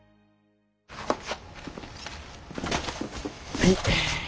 はい。